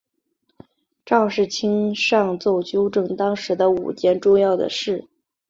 赵世卿上奏纠正当时的五件重要的事。